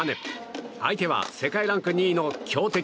相手は世界ランク２位の強敵